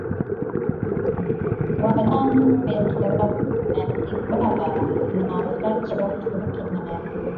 wa damu ya Kiarabu na ya Kiberber na wachache ya Kituruki na ya